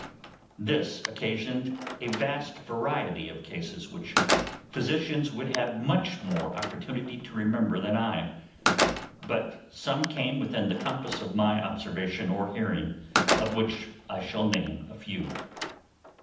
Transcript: This occasioned a vast variety of cases which physicians would have much more opportunity to remember than I; but some came within the compass of my observation or hearing, of which I shall name a few.